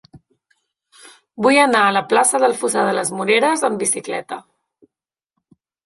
Vull anar a la plaça del Fossar de les Moreres amb bicicleta.